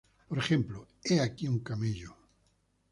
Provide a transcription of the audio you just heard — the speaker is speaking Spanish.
Por ejemplo: "He aquí un camello.